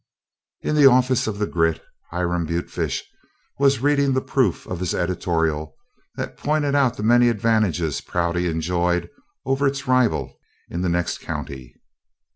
In the office of the Grit, Hiram Butefish was reading the proof of his editorial that pointed out the many advantages Prouty enjoyed over its rival in the next county.